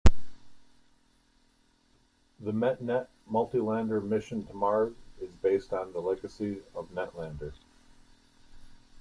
The MetNet multi-lander mission to Mars is based on the legacy of NetLander.